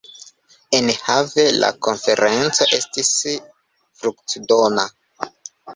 Enhave la konferenco estis fruktodona.